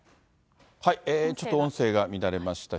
ちょっと音声が乱れました。